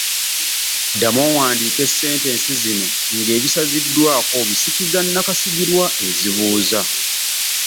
Ddamu owandiike sentensi zino ng’ebisaziddwako obisikiza nnakasigirwa ezibuuza.